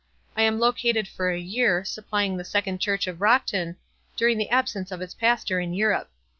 I am located for a year, supplying the Second Church of Rockton, dur ing the absence of its pastor in Europe.